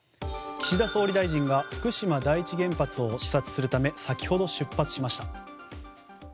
岸田総理大臣は福島第一原発を視察するため先ほど、出発しました。